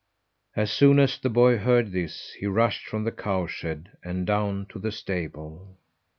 As soon as the boy heard this, he rushed from the cow shed and down to the stable.